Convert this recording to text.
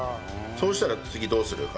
そうしたら次どうするか。